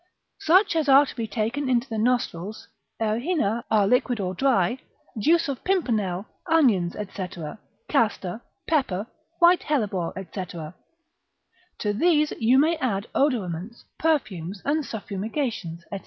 Such as are taken into the nostrils, errhina are liquid or dry, juice of pimpernel, onions, &c., castor, pepper, white hellebore, &c. To these you may add odoraments, perfumes, and suffumigations, &c.